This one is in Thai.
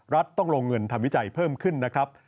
ต้องลงเงินทำวิจัยเพิ่มขึ้นนะครับ